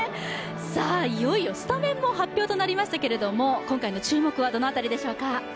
いよいよスタメンも発表となりましたけれども、今回の注目はどの辺りでしょうか？